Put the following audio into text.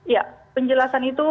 ya penjelasan itu